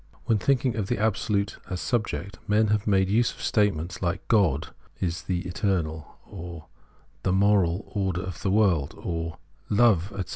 When thinking of the Absolute as subject, men have made use of statements Uke ' God is the eternal,' the ' moral order of the world,' or ' love,' etc.